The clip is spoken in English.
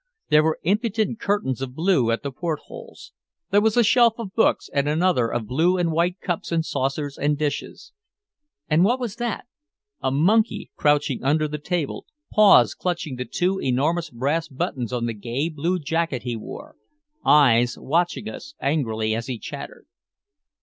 There were impudent curtains of blue at the port holes. There was a shelf of books and another of blue and white cups and saucers and dishes. And what was that? A monkey crouching under the table, paws clutching the two enormous brass buttons on the gay blue jacket he wore, eyes watching us angrily as he chattered.